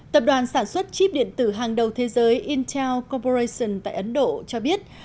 tập đoàn sản xuất chip điện tử hàng đầu thế giới intel coporation tại ấn độ cho biết